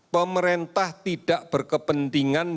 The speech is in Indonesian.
pemerintah tidak berkepentingan